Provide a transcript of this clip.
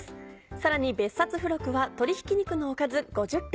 さらに別冊付録は鶏ひき肉のおかず５０品。